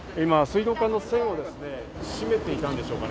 今、水道管の栓を締めていたんでしょうかね。